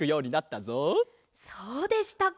そうでしたか。